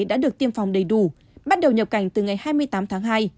đã được tiêm phòng đầy đủ bắt đầu nhập cảnh từ ngày hai mươi tám tháng hai